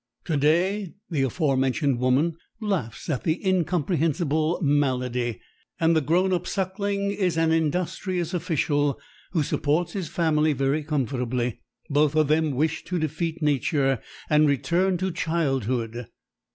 To day the aforementioned woman laughs at the "incomprehensible malady," and the grown up suckling is an industrious official who supports his family very comfortably. Both of them wished to defeat nature and return to childhood.